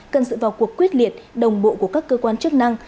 cần sự vào cuộc quyết liệt đồng bộ của các cơ quan chức năng